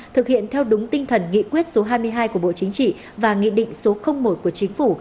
thực hiện theo đúng tinh thần nghị quyết số hai mươi hai của bộ chính trị và nghị định số một của chính phủ